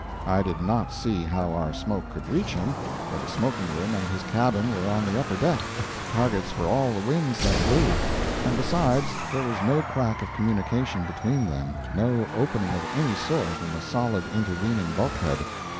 I did not see how our smoke could reach him, for the smoking room and his cabin were on the upper deck, targets for all the winds that blew; and besides there was no crack of communication between them, no opening of any sort in the solid intervening bulkhead.